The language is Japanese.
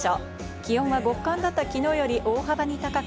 気温は極寒だった昨日より大幅に高く